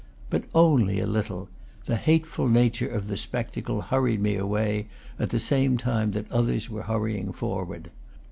But only a little; the hateful nature of the spectacle hurried me away, at the same time that others were hurrying for ward.